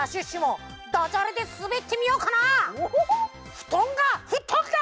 ふとんがふっとんだ！